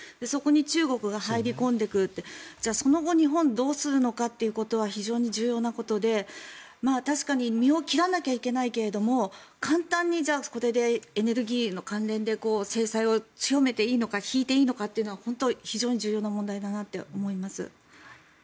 そこに中国が入り込んでくるってじゃあその後日本はどうするのかってことは非常に重要なことで確かに身を切らなきゃいけないけれども簡単にそれでエネルギーの関連で制裁を強めていいのか引いていいのかっていうのは本当、非常に重要な問題だと思います。